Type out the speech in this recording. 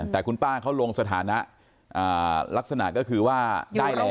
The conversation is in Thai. แต่คุณป้าเขาลงสถานะลักษณะก็คือว่าได้แล้ว